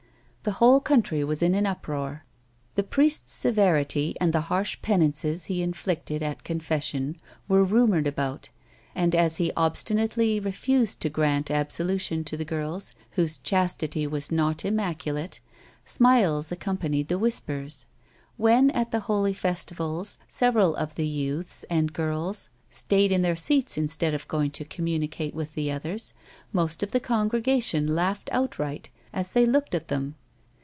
The whole country was in an uproar. The priest's severity and the harsh penances he inflict ed at confession were rumoured about, and, as he obstinately refused to grant absolution to the girls whose chastity was not immaculate, smiles ac companied the whispers. When, at the holy festivals, several of the youths and girls stayed in their seats instead of going to communicate with the others, most of the con gregation laughed outright as they looked at them.